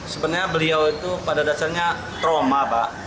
sebenarnya beliau itu pada dasarnya trauma pak